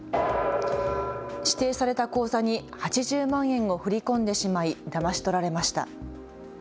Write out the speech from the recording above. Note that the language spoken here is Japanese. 指定された口座に８０万円を振り込んでしまいだまし取られました。